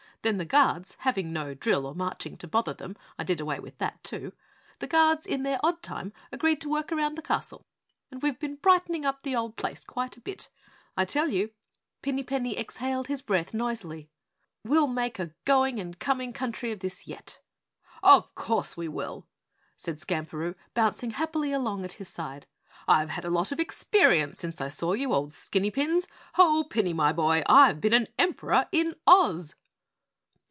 Then the guards (having no drill or marching to bother them, I did away with THAT, too), the guards in their odd time agreed to work around the castle and we've been brightening up the old place quite a bit. I tell you," Pinny Penny exhaled his breath noisily, "we'll make a going and coming country of this yet!" "Of course we will," said Skamperoo, bouncing happily along at his side. "I've had a lot of experience since I saw you, old Skinny Pins. Ho, Pinny, my boy, I've been an Emperor in Oz!"